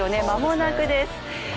まもなくです